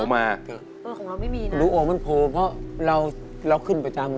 อเจมส์ตรงของเราไม่มีนะอเจมส์รูโอกมันโผล่เพราะเราขึ้นประจำไง